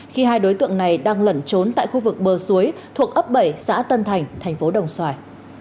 khi hai đối tượng này đang lẩn trốn tại khu vực bờ suối thuộc ấp bảy xã tân thành thành phố đồng xoài